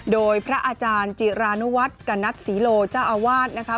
โดยพระอาจารย์จิรานุวัฒน์กนัดศรีโลเจ้าอาวาสนะคะ